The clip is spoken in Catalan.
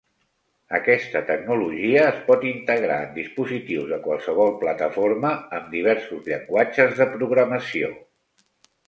Aquesta tecnologia es pot integrar en dispositius de qualsevol plataforma, amb diversos llenguatges de programació.